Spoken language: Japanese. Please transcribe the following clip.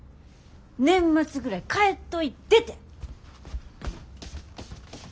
年末ぐらい帰っといでて。